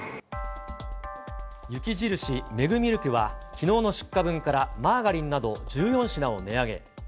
雪印メグミルクは、きのうの出荷分からマーガリンなど１４品を値上げ。